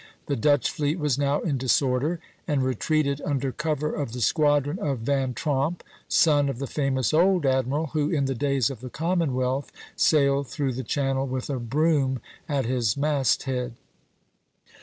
The Dutch fleet was now in disorder, and retreated under cover of the squadron of Van Tromp, son of the famous old admiral who in the days of the Commonwealth sailed through the Channel with a broom at his masthead.